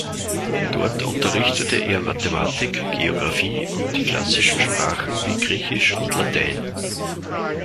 Dort unterrichtete er Mathematik, Geographie und die klassischen Sprachen wie Griechisch und Latein.